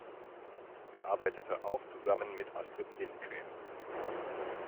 Er arbeitete auch zusammen mit Astrid Lindgren.